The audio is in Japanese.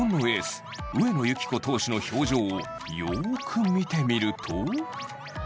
エース上野由岐子投手の表情をよく見てみると。